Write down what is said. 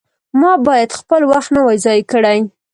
ما باید خپل وخت نه وای ضایع کړی.